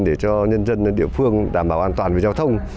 để cho nhân dân địa phương đảm bảo an toàn về giao thông